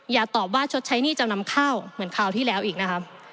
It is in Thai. อย่าตอบว่าชดใช้หนี้จำนำข้าวเหมือนคราวที่แล้วอีกนะครับ